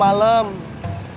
lagi ngurusin seminar